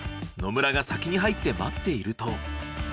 野村が先に入って待っていると。